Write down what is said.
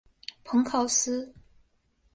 蓬考斯。